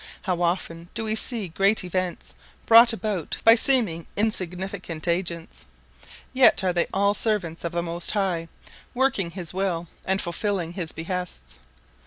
How often do we see great events brought about by seemingly insignificant agents! Yet are they all servants of the Most High, working his will, and fulfilling his behests.